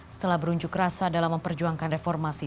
setelah berunjuk rasa dalam memperjuangkan reformasi